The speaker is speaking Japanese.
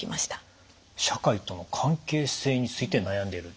社会との関係性について悩んでいる。